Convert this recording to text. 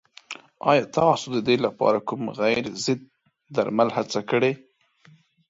ایا تاسو د دې لپاره کوم غیر ضد درمل هڅه کړې؟